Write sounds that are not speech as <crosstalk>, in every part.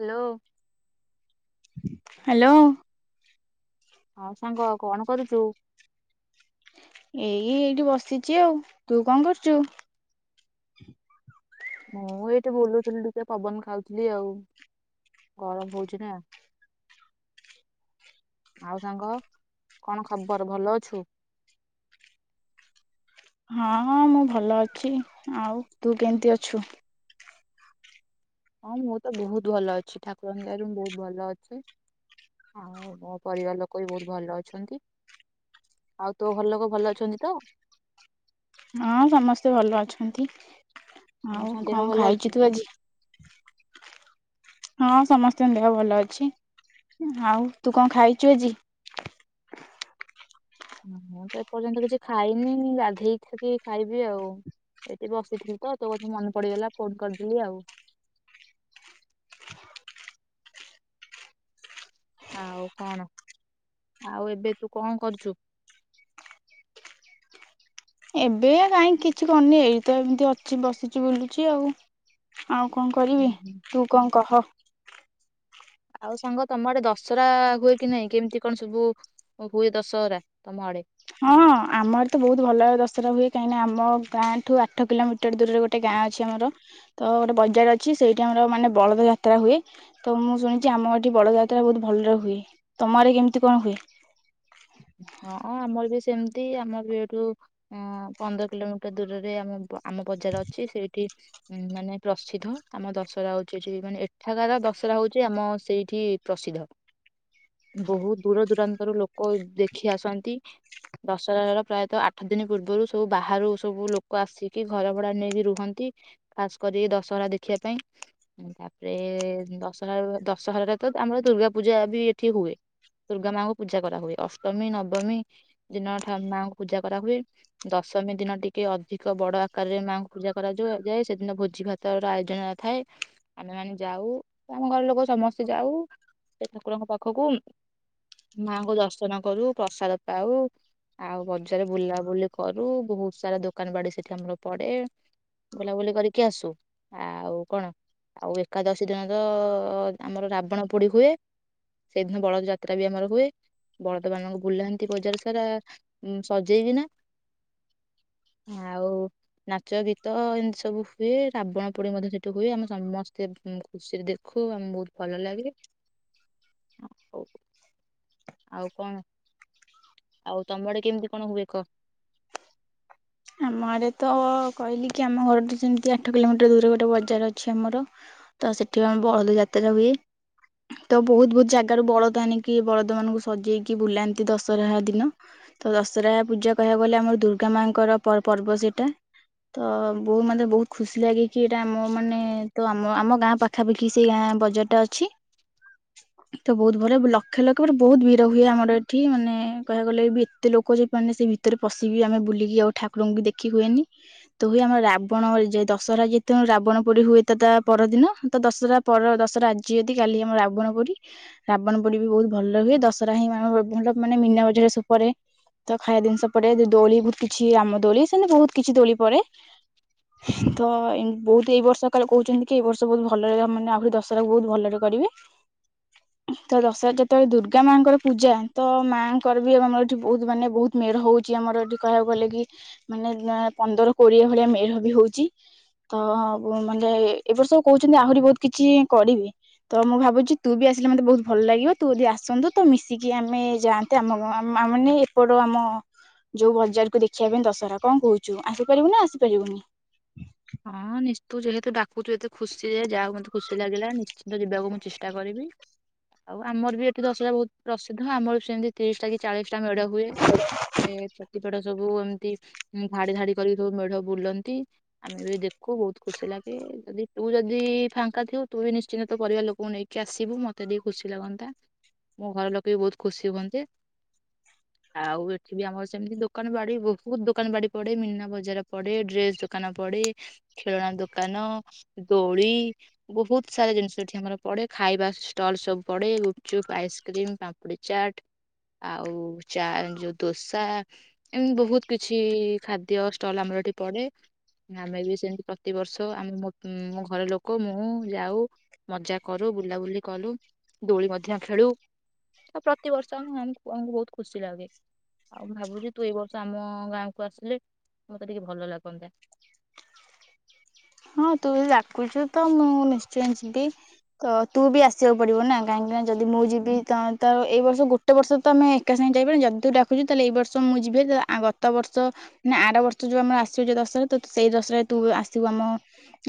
Hello. Hello. ହଁ ସାଙ୍ଗ କଣ କରୁଛୁ? ଏଇ ଏଇଠି ବସିଛି ଆଉ ତୁ କଣ କରୁଛୁ? ମୁଁ ଏଇଠି ବୁଲୁଥିଲି ଟିକେ ପବନ ଖାଉଥିଲି ଆଉ ଗରମ ହଉଛି ନା ଆଉ ସାଙ୍ଗ କଣ ଖବର ଭଲ ଅଛୁ? ହଁ ହଁ ମୁଁ ଭଲ ଅଛି ଆଉ ତୁ କେମିତି ଅଛୁ? ହଁ ମୁଁ ତ ବହୁତ ଭଲ ଅଛି ଠାକୁରଙ୍କ ଦୟାରୁ ମୁଁ ବହୁତ ଭଲ ଅଛି ଆଉ ମୋ ପରିବାର ଲୋକ ବି ବହୁତ ଭଲ ଅଛନ୍ତି ଆଉ ତୋ ଘର ଲୋକ ଭଲ ଅଛନ୍ତି ତ? ହଁ ସମସ୍ତେ ଭଲ ଅଛନ୍ତି। ଆଉ ସମସ୍ତଙ୍କ କଣ ଦେହ ଭଲ ଅଛି? ଖାଇଛୁ ତୁ ଆଜି? ହଁ ସମସ୍ତଙ୍କ ଦେହ ଭଲ ଅଛି ଆଉ ତୁ କଣ ଖାଇଛୁ ଆଜି? ମୁଁ ତ ଏପର୍ଯ୍ୟନ୍ତ କିଛି ଖାଇନି ଗାଧେଇକ ଖାଇବି ଆଉ ଏଇଠି ବସିଥିଲି ତ ତୋ କଥା ମନେ ପଡିଗଲା ଫୋନ କରିଦେଲି ଆଉ। ଆଉ କଣ ଆଉ ଏବେ ତୁ କଣ କରୁଛୁ? ଏବେ ଆ କାହିଁକି କିଛି କରୁନି ଏଇ ତ ଏମିତି ଅଛି ବସିଛି ବୁଲୁଛି ଆଉ। ଆଉ କଣ କରିବି ତୁ କଣ କହ। ଆଉ ସାଙ୍ଗ ତମ ଆଡେ ଦଶହରା ହୁଏ କି ନାଇଁ କେମିତି କଣ ସବୁ ହୁଏ ଦଶହରା ତମ ଆଡେ? ହଁ ଆମର ତ ବହୁତ ଭଲ ଦଶରା ହୁଏ କାହିଁକି ନା ଆମ ଗାଁ ଠୁ ଆଠ କିଲୋମିଟର ଦୂରରେ ଗୋଟେ ଗାଁ ଅଛି ଆମର ତ ଗୋଟେ ବଜାର ଅଛି ସେଇଠି ଆମର ମାନେ ବଳଦ ଯାତ୍ରା ହୁଏ ତ ମୁଁ ଶୁଣିଛି ଆମ ଏଠି ବଳଦ ଯାତ୍ରା ବହୁତ ଭଲରେ ହୁଏ ତମରେ କେମିତି କଣ ହୁଏ? ହଁ ଆମର ବି ସେମିତି ଆମର ବି ଏଇଠୁ ଅ ପନ୍ଦର କିଲୋମିଟର ଦୂରରେ ଆମ ଆମ ବଜାର ଅଛି ସେଇଠି ମାନେ ପ୍ରସିଦ୍ଧ ଆମ ଦଶହରା ହଉଛି ଏଠି ମାନେ ଏଠାକାରାର ଦଶହରା ହଉଛି ଆମ ସେଇଠି ପ୍ରସିଦ୍ଧ ବହୁତ ଦୂର ଦୂରାନ୍ତରୁ ଲୋକ ଦେ ଖି ଆସନ୍ତି ଦଶହରାର ପ୍ରାୟତଃ ଆଠ ଦିନ ପୂର୍ବରୁ ସବୁ ବାହାରୁ ସବୁ ଲୋକ ଆସିକି ଘର ଭଡା ନେଇକି ରୁହନ୍ତି ଖାସ କରି ଦଶହରା ଦେଖିବା ପାଇଁ ତାପରେ ଦଶହରା ଦଶହରାରେ ତ ଆମର ଦୁର୍ଗା ପୂଜା ବି ଏଠି ହୁଏ ଦୁର୍ଗା ମାଙ୍କୁ ପୂଜା କରାହୁଏ। ଅଷ୍ଟମୀ ନବମୀ ଦିନଠା ମାଙ୍କୁ ପୂଜା କରାହୁଏ ଦଶମୀ ଦିନ ଟିକେ ଅଧିକ ବଡ ଆକାରରେ ମାଆଙ୍କୁ ପୂଜା କରାଯ ଯାଏ ସେଦିନ ଭୋଜି ଭାତର ଆୟୋଜନ ଥାଏ ଆମେ ମାନ ଯାଉ ଆମ ଘର ଲୋକ ସମସ୍ତେ ଯାଉ ସେ ଠାକୁରଙ୍କ ପାଖକୁ ମାଙ୍କୁ ଦଶ ଅର୍ଚନା କରୁ, ପ୍ରସାଦ ପାଉ ଆଉ ବଜାର ବୁଲାବୁଲି କରୁ ବହୁତ ସାରା ଦୋକାନ ବାଡି ସେଠି ଆମର ପଡେ। ବୁଲାବୁଲି କରିକି ଆସୁ ଆଉ କଣ ଆଉ ଏକାଦଶୀ ଦିନ ତ ଆମର ରାବଣ ପୋଡି ହୁଏ ସେଇଦିନ ବଳଦ ଯାତ୍ରା ବି ଆମର ହୁଏ। ବଳଦମାନଙ୍କୁ ବୁଲାନ୍ତି ବଜାର ସାରା, ସଜେଇବି ନା ଆଉ ନାଚ ଗୀତ ଏମିତି ସବୁ ହୁଏ ରାବଣ ପୋଡି ମଧ୍ୟ ସେଠି ହୁଏ ଆମେ ସମସ୍ତେ ଖୁସିରେ ଦେଖୁ ଆମ ବହୁତ ଭଲ ଲାଗେ ହଉ। ଆଉ କଣ ଆଉ ତମଆଡେ କେମିତି କଣ ହୁଏ କ? ଆମ ଆଡ଼େ ତ କହିଲି କି ଆମ ଘରରେ ଯେମିତି ଆଠ କିଲୋମିଟର ଦୂର ଗୋଟେ ବଜାର ଅଛି ଆମର ତ ସେଠି ଆମ ବଳଦ ଯାତ୍ରା ହୁଏ। ତ ବହୁତ ବହୁତ ଜାଗାରୁ ବଳଦ ଆଣିକି ବଳଦ ମାନଙ୍କୁ ସଜେଇକି ବୁଲାନ୍ତି ଦଶହରା ଦିନ ତ ଦଶହରା ପୂଜା କହିବାକୁ ଗଲେ ଆମର ଦୁର୍ଗା ମାଙ୍କର ପ ପର୍ବ ସେଇଟା ତ ବୋଉ ମାନେ ବହୁତ ଖୁସି ଲାଗେ କି ଏଇଟା ମୋ ମାନେ ତ ମ ଆମ ଗାଁ ପାଖାପାଖି ସେଇ ଗାଁ ବଜାର ଟା ଅଛି। ତ ବହୁତ ଭଲ ଲକ୍ଷେ ଲକ୍ଷ ପରେ ବହୁତ ଭିର ହୁଏ ଆମର ଏଠି ମାନେ କହିବା ଗଲେ ବି ଏତେ ଲୋକ ଯେ ମାନେ ସେ ଭିତରେ ପଶିବି ଆମେ ବୁଲିକି ଆଉ ଠାକୁରଙ୍କୁ ଦେଖି ହୁଏନି ତ ହୁଏ ଆମର ରାବଣ ଯାଏ ଦଶହରା ଯେହତେ ରାବଣ ପୋଡି ହୁଏ ତ ତା ପରଦିନ ତ ଦଶହରା ପର ଦଶହରା ଆଜି ଯଦି କାଲି ଆମ ରାବଣ ପୋଡି ରାବଣ ପୋଡି ବି ବହୁତ ଭଲ ହୁଏ ଦଶହରା ହିଁ ଭଲ ମାନେ ମୀନା ବଜାର ସବୁ ପଡେ ତ ଖାଇବା ଜିନିଷ ପଡେ ଦୋଳି ଭୁ ଚି ରାମ ଦୋଳି ବହୁତ କିଛି ଦୋଳି ପଡେ ତ ବହୁତ ଏଇ ବର୍ଷ କାଳେ କହୁଚନ୍ତି କି ଏଇ ବର୍ଷ ବହୁତ ଭଲରେ ଆହୁରି ଦଶହରାକୁ ବହୁତ ଭଲରେ କରିବେ। ତ ଦଶ ତ ଯେତେବେଳେ ଦୁର୍ଗା ମାଙ୍କର ପୂଜା ତ ମାଆଙ୍କର ବି ଆମର ଏଠି ବହୁତ ମାନେ ବହୁତ ମେଢ ହଉଚି ଆମର ଏଠି କାହା ଗଲେ କି ମାନେ ପନ୍ଦର କୋଡିଏ ଭଳିଆ ମେଢ ବି ହଉଚି ତ ମାନେ ଏ ବର୍ଷ କହୁଚନ୍ତି ଆହୁରି ବହୁତ କିଛି କରିବେ। ତ ମୁଁ ଭାବୁଚି ତୁ ବି ଆସିଲେ ମତେ ବହୁତ ଭଲ ଲାଗିବ ତୁ ଯଦି ଆସନ୍ତୁ ତ ମିଶିକି ଆମେ ଯାଆନ୍ତେ ଆମ ଗା ମାନେ ଏପଟେ ଆମ ଯୋଉ ବଜାର କୁ ଦେଖିବା ପାଇଁ ଦଶହରା କଣ କହୁଚୁ ଆସିପାରିବୁ ନା ଆସିପାରିବୁନି? ତୁ ଯେହେତୁ ଡାକୁଚୁ ଏତେ ଖୁସିରେ ଯାହା ହଉ ମତେ ଖୁସି ଲାଗିଲା ନିଶ୍ଚିନ୍ତ ଯିବାକୁ ମୁଁ ଚେଷ୍ଟା କରିବି। ଆଉ ଆମର ବି ଏଠି ଦଶହରା ବହୁତ ପ୍ରସିଦ୍ଧ ଆମର ବି ସେମିତି ତିରିଶ ଟା କି ଚାଳିଶ ଟା ମେଢ଼ ହୁଏ। ଏ ପ୍ରତିପଟ ସବୁ ଏମ ତି ଧାଡି ଧାଡି କରିକି ସବୁ ମେଢ ବୁଲନ୍ତି। ଆମେ ବି ଦେଖୁ ବହୁତ ଖୁସି ଲାଗେ। ଯଦି ତୁ ଯଦି ଫାଙ୍କା ଥିବୁ ତୁ ବି ନିଶ୍ଚିନ୍ତ ତ ପରିବାର ଲୋକଙ୍କୁ ନେଇକି ଆସିବୁ ମତେ ଟିକେ ଖୁସି ଲାଗନ୍ତା। ମୋ ଘର ଲୋକେ ବି ବହୁତ ଖୁସି ହୁଅନ୍ତେ ଆଉ ଏଠି ବି ଆମର ସେମିତି ଦୋକାନ ବାଡ଼ି ବହୁତ ଦୋକାନ ବାଡ଼ି ପଡେ ମିନା ବଜାର ପଡେ ଡ୍ରେସ୍ ଦୋକାନ ପଡେ ଖେଳଣା ଦୋକାନ ଦୋଳି ବହୁତ ସାରା ଜିନିଷ ଏଠି ଆମର ପଡେ ଖାଇବା ଷ୍ଟଲ ସବୁ ପଡେ ଗୁପଚୁପ ଆଇସ୍କ୍ରିମ ପାମ୍ପୁଡି ଚାଟ ଆଉ ଚା ଯଉ ଦୋସା ଏମିତି ବହୁତ କିଛି ଖାଦ୍ୟ ଷ୍ଟଲ ଆମର ଏଠି ପଡେ। ଆମେ ବି ସେମିତି ପ୍ରତିିବର୍ଷ ଆମେ ମ ମୋ ଘର ଲୋକ ମୁଁ ଯାଉ ମଜା କରୁ ବୁଲାବୁଲି କଲୁ ଦୋଳି ମଧ୍ୟ ଖେଳୁ। ଆଉ ପ୍ରତିବର୍ଷ ଆମ ଆମକୁ ବହୁତ ଖୁସି ଲାଗେ ଆଉ। ମୁଁ ଭାବୁଚି ତୁ ଏଇ ବର୍ଷ ଆମ ଗାଁ କୁ ଆସିଲେ ମତେ ଟିକେ ଭଲ ଲାଗନ୍ତା। ହଁ ତୁ ଯ ଡାକୁଚୁ ତ ମୁଁ ନିଶ୍ଚୟ ଯିବି ତ ତୁ ବି ଆସିବାକୁ ପଡିବୁ ନା କାହିଁକିନା ଯଦି ମୁଁ ଯିବି ତ ତ ଏଇ ବର୍ଷ ଗୋଟେ ବର୍ଷ ତ ଆମେ ଏକା ସାଙ୍ଗେ ଯାଇପାର ଯଦି ତୁ ଡାକୁଚୁ ତାହେଲେ ଏଇ ବର୍ଷ ମୁଁ ଯିବି ଗତ ବର୍ଷ ମେ ଆର ବର୍ଷ ଯଉ ଆମର ଆସିବଛ ଦଶହରା ତ ସେଇ ଦଶହାରେ ତୁ ଆସିବୁ ଆମ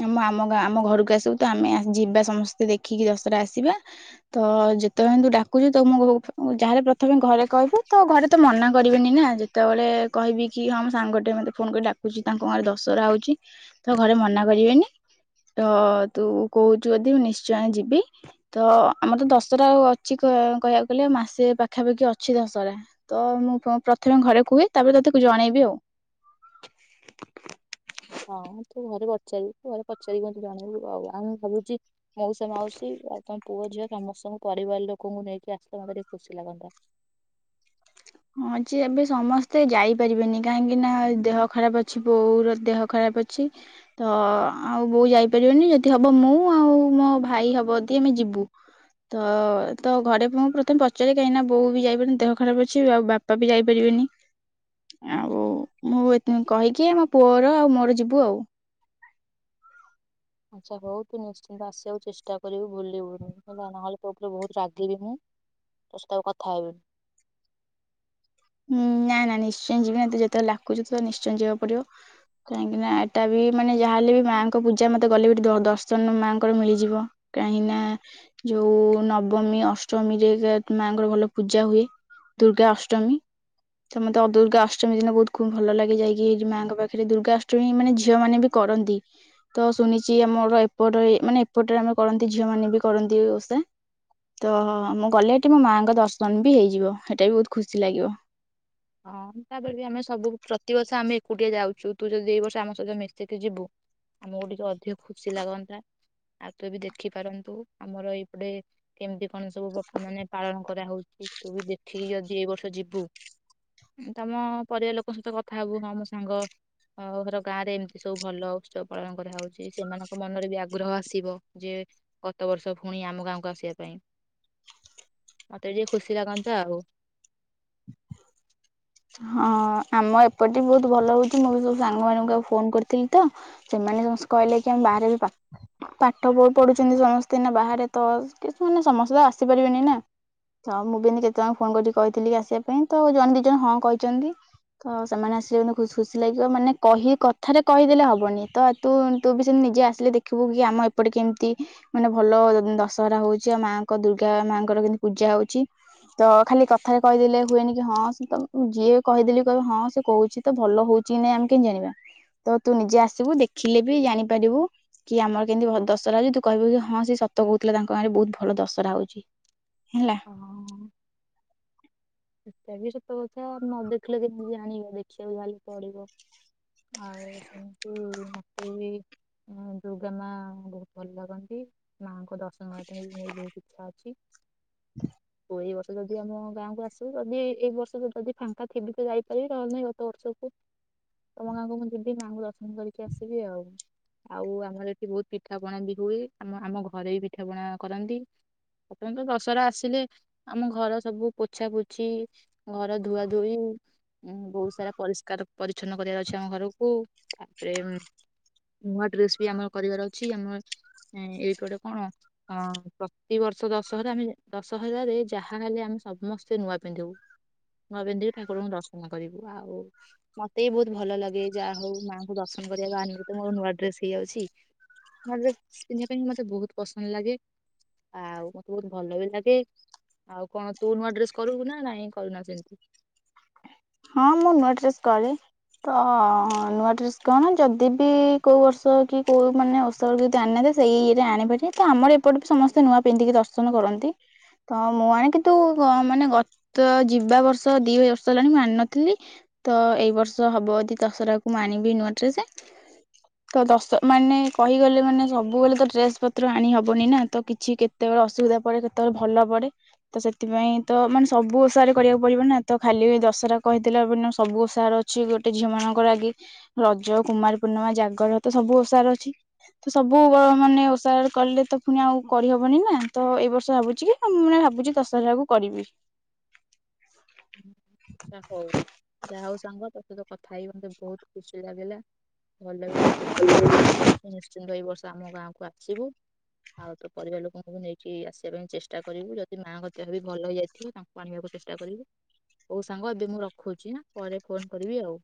ଆମ ଆମ ଗାଁ ଆମ ଘରକୁ ଆସିବୁ ତ ଆମେ ଯିବା ସମସ୍ତେ ଦେଖିକି ଦଶହରା ଆସିବା ତ ଯେତେବେଳେ ତୁ ଡାକୁଛୁ ତ ମୁଁ ଯାେ ପ୍ରଥମେ ଘରେ କହିବୁ ତ ଘରେ ତ ମନା କରିବେନି ନା ଯେତେବେଳେ କହିବି କି ହଁ ଆମ ସାଙ୍ଗଟେ ମତେ ଫୋନ କରି ଡାକୁଛି ତାଙ୍କ ଘରେ ଦଶହରା ହଉଛି ତ ଘରେ ମନା କରି ବେନି ତ ତୁ କହୁଛୁ ଯଦି ମୁଁ ନିଶ୍ଚୟ ଯିବି ତ ଆମର ତ ଦଶରା ଅଛି କହି କହିବାକୁ ଗଲେ ମାସେ ପାଖାପାଖି ଅଛି ଦଶହରା ତ ମୁଁ ପ୍ରଥମେ ଘରେ କୁହେ ତାପରେ ତ ତାକୁ ଜଣେଇବି ଆଉ। ହଁ ତୁ ଘରେ ପଚାରିବୁ ତୁ ଘରେ ପଚାରି ମୋତେ ଜଣେଇବୁ ଆଉ ଆମେ ଭାବୁଚି ମଉସା ମାଉସୀ ଆଉ ତମ ପୁଅ ଝିଅ ସମସ୍ତଙ୍କୁ ପରିବାର ଲୋକଙ୍କୁ ନେଇକି ଆସ୍ସ୍ଥାନ୍ତୁ ନା କରି ଖୁସି ଲାଗନ୍ତା। ହଁଯେ ଏବେ ସମସ୍ତେ ଯାଇପାରିବେନି କାହିଁକି ନା ଦେହ ଖରାପ ଅଛି ବୋଉର ଦେହ ଖରାପ ଅଛି ତ ଆଉ ବୋଉ ଯାଇପାରିବେନି ଯଦି ହବ ମୁଁ ଆଉ ମୋ ଭାଇ ହବ ଯଦି ଆମେ ଯିବୁ। ତ ତ ଘରେ ମୁଁ ପ୍ରଥମେ ପଚାରେ କାହିଁକି ନା ବୋଉ ବି ଯାଇପାରିନି ଦେହ ଖରାପ ଅଛି। କିଛି ଆଉ ବାପା ବି ଯାଇପାରିବେନି ଆଉ। ମୁଁ ଏଥି କହିକି ଆମ ପୁଅ ପୁଅ ଆଉ ମୋର ଯିବୁ ଆଉ। ଆଚ୍ଛା ହଉ ତୁ ନିଶ୍ଚିନ୍ତ ଆସିବାକୁ ଚେଷ୍ଟା କରିବୁ ଭୁଲିବୁନି ହେଲା ନହେଲେ ତୋ ଉପରେ ବହୁତ ରାଗିବି ମୁଁ ତୋ ସହିତ ଆଉ କଥା ହେବିନି। ହୁଁ ନା ନା ନିଶ୍ଚୟ ଯିବି ନା ତୁ ଯେତେବେଳେ ଡାକୁଛୁ ତୁ ନିଶ୍ଚୟ ଯିବାକୁ ପଡିବ କାହିଁକି ନା ଏଟା ବି ମାନେ ଯାହାହେଲେ ବି ମାଙ୍କ ପୂଜା ମତେ ଗଲେ ବି ସେଠି ଦର୍ଶନ ମାଙ୍କର ମିଳିଯିବ କାହିଁକି ନା ଯୋଉ ନବମୀ ଅଷ୍ଟମୀରେ ଯେ ମାଙ୍କର ଭଲ ପୂଜା ହୁଏ ଦୁର୍ଗା ଅଷ୍ଟମୀ। ତ ମତେ ଅ ଦୁର୍ଗା ଅଷ୍ଟମୀ ଦିନ ବହୁତ ଖୁବ ଭଲ ଲାଗେ ଯାଇକି ମାଙ୍କ ପାଖରେ ଦୁର୍ଗାଷ୍ଟମୀ ମାନେ ଝିଅ ମାନେ ବି କରନ୍ତି ତ ଶୁଣିଛି ଆମର ଏପଟ ମାନେ ଏପଟରେ ଆମେ କରନ୍ତି ଝିଅ ମାନେ ବି କରନ୍ତି ଓଷା ତ ମୁଁ ଗଲେ ଏଠି ମୋ ମାଆଙ୍କ ଦର୍ଶନ ବି ହେଇଯିବ ସେଟା ବି ବହୁତ ଖୁସି ଲାଗିବ ହଁ ତାପରେ ବି ଆମେ ସବୁ ପ୍ରତିିବର୍ଷ ଆମେ ଏକୁଟିଆ ଯାଉଛୁ ତୁ ଯଦି ଏଇ ବର୍ଷ ଆମ ସହିତ ମିଶିକି ଯିବୁ ଆମକୁ ଟିକେ ଅଧିକ ଖୁସି ଲାଗନ୍ତା ଆଉ ତୁ ବି ଦେଖିପାରନ୍ତୁ ଆମର ଏଇପଟେ କେମିତି କଣ ସବୁ ମାନେ ପାଳନ କରାହଉଛି ତୁ ବି ଦେଖିକି ଯଦି ଏଇ ବର୍ଷ ଯିବୁ। ତମ ପରିବାର ଲୋକଙ୍କ ସହିତ କଥା ହବୁ ହଁ ମୋ ସାଙ୍ଗ ହର ଗାଁ ରେ ଏମିତି ସବୁ ଭଲ ଉତ୍ସବ ପାଳନ କରାହଉଛି ସେମାନଙ୍କ ମନରେ ବି ଆଗ୍ରହ ଆସିବ ଯେ ଗତ ବର୍ଷ ପୁଣି ଆମ ଗାଁକୁ ଆସିବା ପାଇଁ ମତେ ଟିକେ ଖୁସି ଲାଗନ୍ତା ଆଉ। ହଁ ଆମ ଏପଟେ ବି ବହୁତ ଭଲ ହଉଛି ମୁଁ ବି ସବୁ ସାଙ୍ଗମାନଙ୍କୁ ଆଉ ଫୋନ କରିଥିଲି ତ ସେମାନେ ସମସ୍ତେ କହିଲେ କି ଆମ ବାହାରେ ବି ପା ପାଠ ପଢୁଛନ୍ତି ସମସ୍ତେ ବାହାରେ ତ କି ମାନେ ସମସ୍ତେ ଆସିପାରିବେନି ନା ତ ମୁଁ ବି ଏମିତି କେତେ ଜଣ ଙ୍କୁ ଫୋନ କରିକି କହିଥିଲି କି ଆସିବା ପାଇଁ ତ ଜଣେ ଦି ଜଣ ହଁ କହିଛନ୍ତି ତ ସେମାନେ ଆସିଲେ ଖୁସି ଲାଗିବ ମାନେ କହି କଥାରେ କହିଦେଲେ ହବନି ତ ତୁ ବି ସେମିତି ନିଜେ ଆସିଲେ ଦେଖିବୁ କି ଆମ ଏପଟେ କେମିତି ମାନେ ଭଲ ଦଶହରା ହଉଛି ଆଉ ମାଙ୍କ ଦୁର୍ଗା ମାଙ୍କର କେମିତି ପୂଜା ହଉଛି ତ ଖାଲି କଥାରେ କହିଦେଲେ ହୁଏନି କି ହଁ ସେତ ଯିଏ କହିଦେଲେ କହିବ ହଁ ସେ କହୁଛି ତ ଭଲ ହଉଛି କି ନାଇଁ ଆମେ କେମିତି ଜାଣିବା ତ ତୁ ନିଜେ ଆସିବୁ ଦେଖିଲେ ବି ଜାଣିପାରିବୁ କି ଆମର କେମିତି ଦଶହରା ହଉଛି ତୁ କହିବୁ କି ହଁ ସେ ସତ କହୁଥିଲେ ତାଙ୍କ ଆଁରେ ବହୁତ ଭଲ ଦଶହରା ହଉଛି। ହେଲା। ହଁ। ସେଟା ବିି ସତ କଥା ନ ଦେଖିଲେ କେମିତି ଜାଣିବା ଦେଖିବାକୁ ଯାହେଲେ ପଡିବ। ଆଉ ଶୁଣୁ <unintelligible> ତୁଇ ଦୁର୍ଗା ମା ବହୁତ ଭଲ ଲାଗନ୍ତି ମାଙ୍କୁ ଦର୍ଶନ କରି ମୁଁ ବହୁତ୍ ଖୁସି ଅଛି କ ଏଇ ବର୍ଷ ଯଦି ଆମ ଗାଁକୁ ଆସି ଯଦି ଏଇ ବର୍ଷ ଯଦି ଫାଙ୍କା ଥିବି ତ ଯାଇପାରିବି ନହେଲେ ନାହିଁ ଗତ ବର୍ଷକୁ ତମ ଗାଁକୁ ମୁଁ ଯିବି ମାଆଙ୍କୁ ଦର୍ଶନ କରିକି ଆସିବି ଆଉ ଆଉ ଆମର ଏଠି ବହୁତ ପିଠା ପଣା ବିହୁଏ ଆମ ଆମ ଘରେ ବି ପିଠା ପଣା କରନ୍ତି ପ୍ରଥମେ ତ ଦଶହରା ଆସିଲେ ଆମ ଘର ସବୁ ପୋଛା ପୋ ଅଛି ଘର ଧୁଆ ଧୋଇ ବହୁତ ସାରା ପରିଷ୍କାର ପରିଚ୍ଛନ୍ନ କରିବାର ଅଛି ଆମ ଘରକୁ ତାପରେ ନୂଆ ଡ୍ରେସ ବି ଆମର କରିବାର ଅଛି ଆମର ଏଇପଟେ କଣ ପ୍ରତିବର୍ଷ ଦଶହରା ଆମେ ଦଶହରାରେ ଯାହାହଲେ ଆମେ ସମସ୍ତେ ନୂଆ ପିନ୍ଧିବୁ ନୂଆ ପିନ୍ଧି ଠାକୁରଙ୍କୁ ଦର୍ଶନ କରିବୁ। ଆଉ ମତେ ବି ବୋହୁତ ଭଲ ଲାଗେ ଯାହା ହୋଉ ମାଆଙ୍କୁ ଦର୍ଶନ କରିବା ଆ ନିମନ୍ତେ ତ ମୋ ନୂଆ ଡ୍ରେସ ହେଇଯାଉଚି ନୂଆ ଡ୍ରେସ ପିନ୍ଧିବା ପାଇଁ ମତେ ବୋହୁତ ପସନ୍ଦ ଲାଗେ ଆଉ ମତେ ବୋହୁତ ଭଲ ବି ଲାଗେ ଆଉ କଣ ତୁ ନୂଆ ଡ୍ରେସ କରୁଚୁ ନା ନାଇଁ କରୁନ ସେମିତି ହଁ ମୁଁ ନୂଆ ଡ୍ରେସ କରେ ତ ନୂଆ ଡ୍ରେସ୍ କଣ ଯଦି ବି କୋଉ ବର୍ଷ କି କୋଉ ମାନେ ଓଷାରେ ଯଦି ଆଣିି ନାହାଁନ୍ତି ସେଇ ଇଏରେ ଆଣିପାରିବେ ତ ଆମର ଏପଟ ବି ସମସ୍ତେ ନୂଆ ପିନ୍ଧିକି ଦର୍ଶନ କରନ୍ତି। ତ ମୁଁ ଆଣେ କିନ୍ତୁ ଗ ମାନେ ଗତ ଯିବା ବର୍ଷ ଦିଇ ବର୍ଷ ହେଲାଣି ମୁଁ ଆଣିନ ଥିଲ ତ ଏଇ ବର୍ଷ ହବ ଯଦି ଦଶରାକୁୁ ମୁଁ ଆଣିବି ନୂଆ ଡ୍ରେସ ତ ଦଶ ମାନେ କହିଗଲେ ମାନେ ସବୁବେଳେ ତ ଡ୍ରେସ ପତ୍ର ଆଣି ହବନି ନା ତ କିଛି କେତେବେଳେ ଅସୁବିଧା ପଡେ କେତେବେଳେ ଭଲ ପଡେ ତ ସେଥିପାଇଁ ତ ମାନେ ସବୁ ଓଷାରେ କରିବାକୁ ପଡିବ ନା ତ ଖାଲି ବି ଦଶରା କହିଥିଲା ବୋନୁ ସବୁ ଓଷାର ଅଛି ଗୋଟେ ଝିଅ ମାନଙ୍କର ଆଗେ ରଜ କୁମାର ପୂର୍ଣ୍ଣିମା ଜାଗର ତ ସବୁ ଓଷାର ଅଛି। ତ ସବୁ ଗ ମାନେ ଓଷାର କଲେ ତ ପୁଣି ଆଉ କରିହବନିନା ତ ଏଇ ବର୍ଷ ଭାବୁଚି କି ଆ ମୁଁ ମାନେ ଭାବୁଚି ଦଶହରା ଆକୁ କରିବି। ହୋଉ ଯାହା ହୋଉ ସାଙ୍ଗ ତତେ ତ କଥା ହେଇକି ମତେ ବୋହୁତ ଖୁସି ଲାଗିଲା। ଭଲ ବି ଲାଗୁଚି ଆଶା କରୁଚି ତୁ ନିଶ୍ଚିନ୍ତ ଏ ବର୍ଷ ତୁ ଆମ ଗାଁକୁ ଆସିବୁ। ଆଉ ତୋ ପରିବାର ଲୋକଙ୍କୁ ନେଇକି ଆସିବା ପାଇଁ ଚେଷ୍ଟା କରିବୁ। ଯଦି ମାଆଙ୍କ ଦେହ ବି ଭଲ ହେଇଯାଇଥିବ ତାଙ୍କୁ ଆଣିବାକୁ ଚେଷ୍ଟା କରିବୁ। ହୋଉ ସାଙ୍ଗ ଏବେ ମୁଁ ରଖୁଚି ଆଁ ପରେ ଫୋନ କରିବି ଆଉ।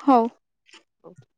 ହୋଉ। ଯୋଉ।